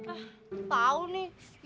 ah tau nih